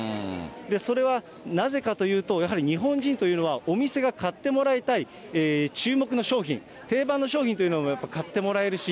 それは、なぜかというと、やはり日本人というのは、お店が買ってもらいたい注目の商品、定番の商品というのを買ってもらえるし、